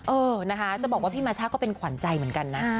เออนะคะจะบอกว่าพี่มาช่าก็เป็นขวัญใจเหมือนกันนะ